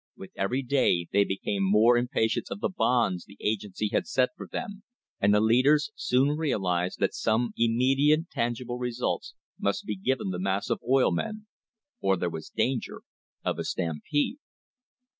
With every day they became more impatient of the bonds the agency had set for them, and the leaders soon realised that some immediate tangible results must be given the mass of oil men, or there was danger of a stampede.